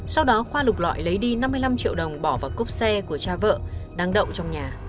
sau đó khoa lục lọi lấy đi năm mươi năm triệu đồng bỏ vào cốc xe của cha vợ đang đậu trong nhà